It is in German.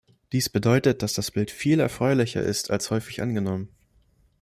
Dies bedeutet, dass das Bild viel erfreulicher ist als häufig angenommen.